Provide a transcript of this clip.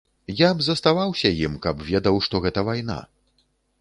Я б заставаўся ім, каб ведаў, што гэта вайна.